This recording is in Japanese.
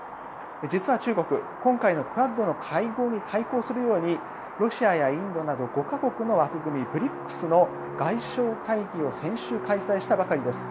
実は中国、今回のクアッドの会合に対抗するようにロシアやインドなど５か国の枠組み、ＢＲＩＣＳの外相会議を先週、開催したばかりです。